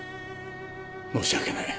申し訳ない。